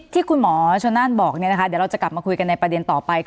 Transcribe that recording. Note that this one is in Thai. ที่คุณหมอชนนั่นบอกเดี๋ยวเราจะกลับมาคุยกันในประเด็นต่อไป